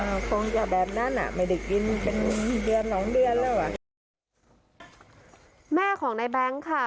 คงจะแบบนั้นอ่ะไม่ได้กินเป็นเดือนสองเดือนแล้วอ่ะแม่ของในแบงค์ค่ะ